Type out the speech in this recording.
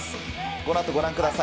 このあと、ご覧ください。